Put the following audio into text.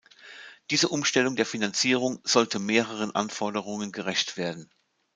Diese Umstellung der Finanzierung sollte mehreren Anforderungen gerecht werden.